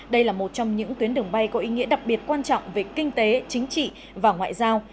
đây là một trong những tuyến đường bay có ý nghĩa đặc biệt quan trọng về kinh tế chính trị và ngoại giao